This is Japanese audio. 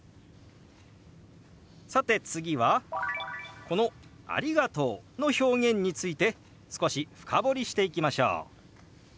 さて次はこの「ありがとう」の表現について少し深掘りしていきましょう。